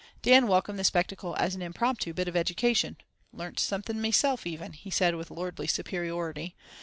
Dan welcomed the spectacle as an "impromptu bit of education. Learnt something meself, even," he said with lordly superiority.